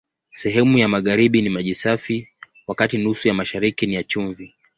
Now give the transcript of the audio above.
Sehemu ya magharibi ni maji safi, wakati nusu ya mashariki ni ya chumvi.